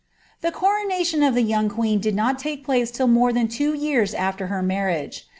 The corooalioii of the young queen did not take place till more ^M two years after her marriage.